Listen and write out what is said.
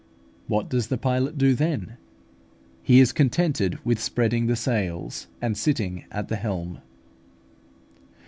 What does the pilot do then? He is contented with spreading the sails and sitting at the helm.